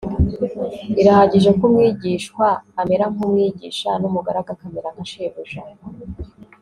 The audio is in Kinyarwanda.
birahagije ko umwigishwa amera nk'umwigisha, n'umugaragu akamera nka shebuja